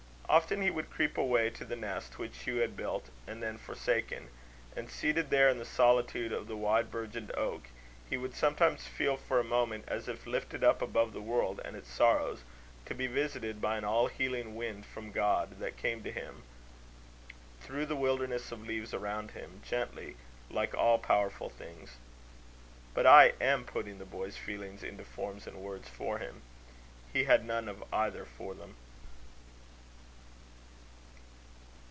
Often he would creep away to the nest which Hugh had built and then forsaken; and seated there in the solitude of the wide bourgeoned oak, he would sometimes feel for a moment as if lifted up above the world and its sorrows, to be visited by an all healing wind from God, that came to him, through the wilderness of leaves around him gently, like all powerful things. But I am putting the boy's feelings into forms and words for him. He had none of either for them.